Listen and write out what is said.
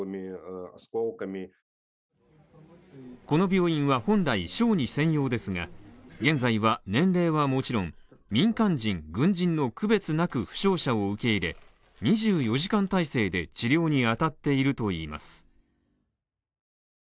この病院は本来、小児専用ですが現在は年齢はもちろん民間人、軍人の区別なく負傷者を受け入れ２４時間態勢で治療に当たっているといいます。